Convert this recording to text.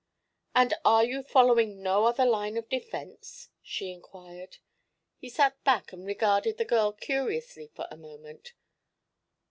"And are you following no other line of defense?" she inquired. He sat back and regarded the girl curiously for a moment.